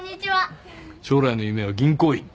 将来の夢は銀行員。